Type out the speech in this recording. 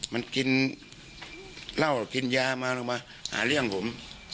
มันกินเหล้ากินยามาลงมาหาเรื่องผม